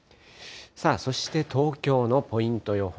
そして東京のポイント予報。